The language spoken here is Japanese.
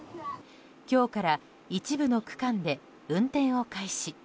今日から一部の区間で運転を開始。